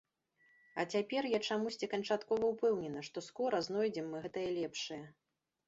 А цяпер я чамусьці канчаткова ўпэўнена, што скора знойдзем мы гэтае лепшае.